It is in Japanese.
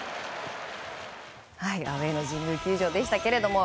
アウェーの神宮球場でしたけども。